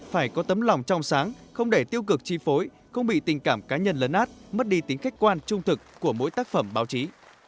phải có tấm lòng trong sáng không để tiêu cực chi phối không bị tình cảm cá nhân lấn át mất đi tính khách quan trung thực của mỗi tác phẩm báo chí